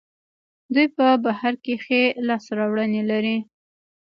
دوی په بهر کې ښې لاسته راوړنې لري.